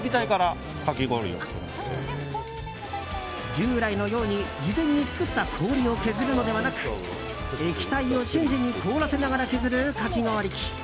従来のように事前に作った氷を削るのではなく液体を瞬時に凍らせながら削るかき氷機。